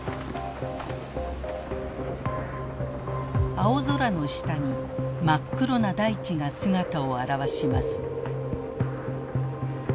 青空の下に真っ黒な大地が姿を現します。